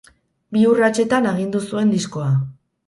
Bi urratsetan agindu zuen diskoa.